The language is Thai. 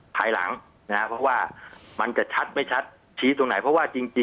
ภายหลังนะครับเพราะว่ามันจะชัดไม่ชัดชี้ตรงไหนเพราะว่าจริง